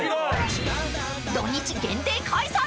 ［土日限定開催